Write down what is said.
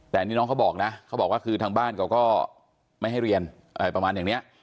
แต่นี่น้องเขาบอกนะเขาบอกว่าคือทางบ้านเขาก็ไม่ให้เรียนประมาณอย่างนี้